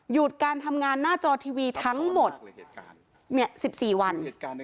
การทำงานหน้าจอทีวีทั้งหมด๑๔วัน